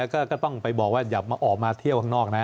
ก็ต้องไปบอกว่าอย่ามาออกมาเที่ยวข้างนอกนะ